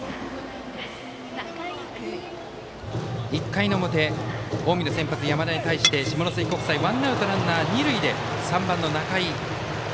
１回の表、近江の先発山田に対して下関国際ワンアウトランナー、二塁で３番の仲井。